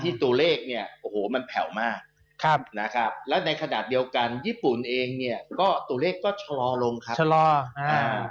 ตัวเลขเนี่ยโอ้โหมันแผ่วมากครับนะครับแล้วในขณะเดียวกันญี่ปุ่นเองเนี่ยก็ตัวเลขก็ชะลอลงครับชะลออ่า